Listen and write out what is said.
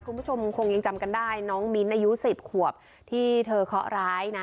คุณผู้ชมคงยังจำกันได้น้องมิ้นท์อายุสิบขวบที่เธอเคาะร้ายนะ